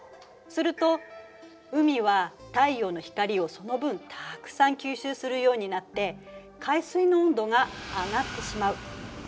すると海は太陽の光をその分たくさん吸収するようになって海水の温度が上がってしまう。